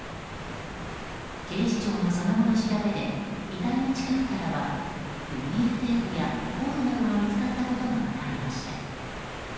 警視庁のその後の調べで遺体の近くからはビニールテープやコードなどが見つかったことが分かりました。